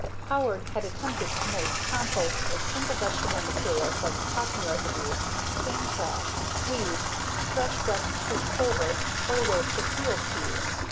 Howard had attempted to make composts of single vegetable materials like cotton residues, cane trash, weeds, fresh green sweet clover, or the waste of field peas.